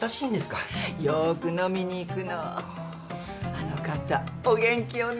あの方お元気よね。